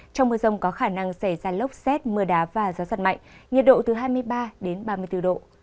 trong mưa rông có khả năng xảy ra lốc xét mưa đá và gió giật mạnh nhiệt độ từ hai mươi ba đến ba mươi bốn độ